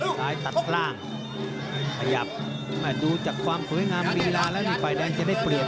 ซ้ายตัดล่างขยับดูจากความสวยงามลีลาแล้วนี่ฝ่ายแดงจะได้เปรียบ